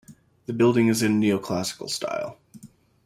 The building is in neoclassical style.